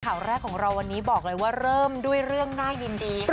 ข่าวแรกของเราวันนี้บอกเลยว่าเริ่มด้วยเรื่องน่ายินดีค่ะ